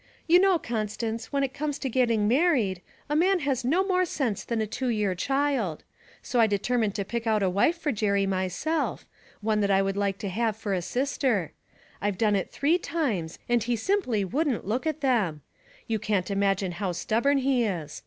'You know, Constance, when it comes to getting married, a man has no more sense than a two year child. So I determined to pick out a wife for Jerry, myself, one I would like to have for a sister. I've done it three times and he simply wouldn't look at them; you can't imagine how stubborn he is.